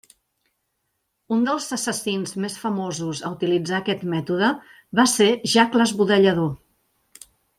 Un dels assassins més famosos a utilitzar aquest mètode va ser Jack l'Esbudellador.